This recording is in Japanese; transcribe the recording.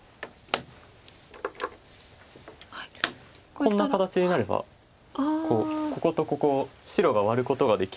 こんな形になればこうこことここを白がワルことができて。